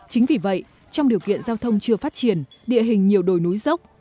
chính vì vậy trong điều kiện giao thông chưa phát triển địa hình nhiều đồi núi dốc